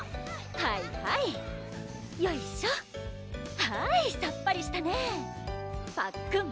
はいはいよいしょはいさっぱりしたねパックン